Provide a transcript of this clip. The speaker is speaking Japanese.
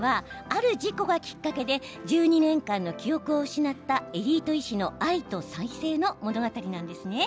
このドラマはある事故がきっかけで１２年間の記憶を失ったエリート医師の愛と再生の物語なんです。